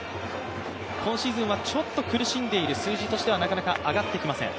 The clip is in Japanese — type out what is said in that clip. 今シーズンはちょっと苦しんでいる、数字としては上がってきません。